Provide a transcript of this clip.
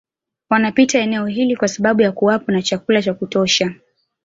Wanapita eneo hili kwa sababu ya kuwapo na chakula cha kutosha